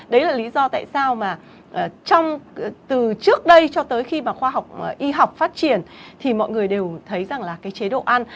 đấy là lý do tại sao mà từ trước đây cho tới khi mà khoa học y học phát triển thì mọi người đều thấy rằng là cái chế độ ăn